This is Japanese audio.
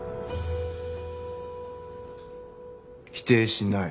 否定しない。